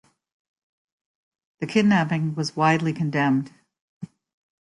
The kidnapping was widely condemned.